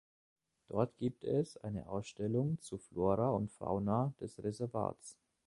Dort gibt es auch eine Ausstellung zur Flora und Fauna des Reservats.